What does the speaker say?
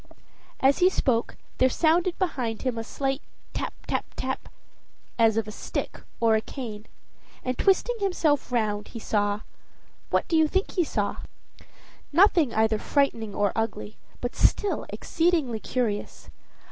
As he spoke, there sounded behind him a slight tap tap tap, as of a stick or a cane, and twisting himself round, he saw what do you think he saw? Nothing either frightening or ugly, but still exceedingly curious.